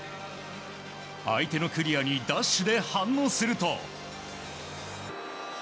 相手のクリアにダッシュで反応すると。